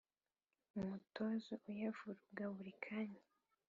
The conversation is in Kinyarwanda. umutozo uyavuruga buri kanya